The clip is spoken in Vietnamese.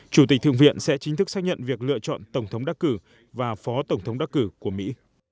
chủ tịch thượng viện sẽ chính thức xác nhận việc lựa chọn tổng thống đắc cử và phó tổng thống đắc cử của mỹ